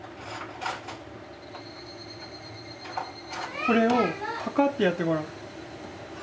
これをパカッてやってごらん。